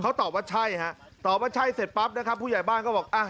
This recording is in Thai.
เขาตอบว่าใช่ฮะตอบว่าใช่เสร็จปั๊บนะครับผู้ใหญ่บ้านก็บอกอ่ะ